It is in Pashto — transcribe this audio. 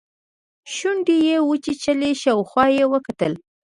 شونډې يې وچيچلې شاوخوا يې وکتل.